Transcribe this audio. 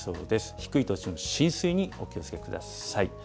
低い土地の浸水にお気をつけください。